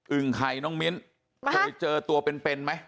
ึ่งไข่น้องมิ้นเคยเจอตัวเป็นไหม